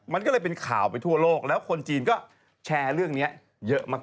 มันก็เลยเป็นข่าวไปทั่วโลกแล้วคนจีนก็แชร์เรื่องนี้เยอะมาก